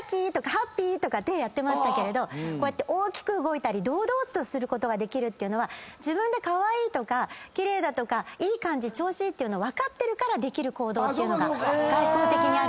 ハッピー！」とか手やってましたけれどこうやって大きく動いたり堂々とすることができるのは自分でカワイイとか奇麗だとかいい感じ調子いいっていうのを分かってるからできる行動っていうのが外向的にあるので。